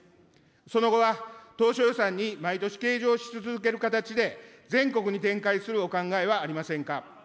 その後は、当初予算に毎年計上し続ける形で、全国に展開するお考えはありませんか。